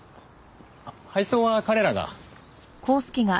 あっ配送は彼らが。